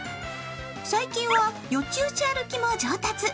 最近はよちよち歩きも上達。